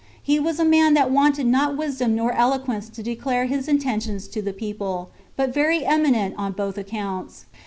He was a man that wanted not wisdom nor eloquence to declare his intentions to the people, but very eminent on both accounts.